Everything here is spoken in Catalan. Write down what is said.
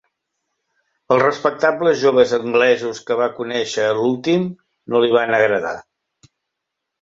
Els respectables joves anglesos que va conèixer a l'últim no li van agradar.